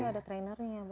iya ada trainernya